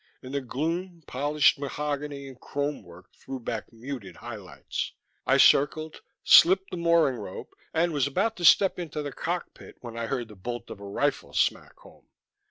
In the gloom polished mahogany and chrome work threw back muted highlights. I circled, slipped the mooring rope, and was about to step into the cockpit when I heard the bolt of a rifle smack home.